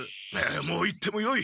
もう行ってもよい。